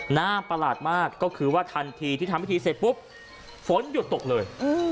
ประหลาดมากก็คือว่าทันทีที่ทำพิธีเสร็จปุ๊บฝนหยุดตกเลย